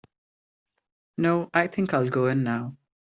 No, I think I'll go in now.